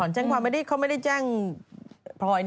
แจ้งความเขาไม่ได้แจ้งพลอย